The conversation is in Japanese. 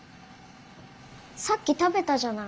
さっき食べたじゃない。